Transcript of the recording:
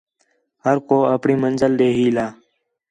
ہر کُو آپݨی منزل ݙے ہیل ہا